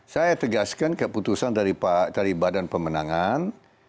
saya tegaskan keputusan dari pak dari badan pemenangan